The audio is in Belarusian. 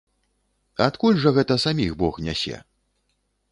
Адкуль жа гэта саміх бог нясе?